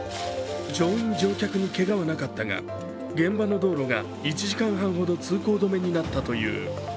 乗員・乗客にけがはなかったが現場の道路が１時間半ほど通行止めになったという。